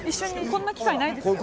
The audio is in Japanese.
こんな機会ないですよ。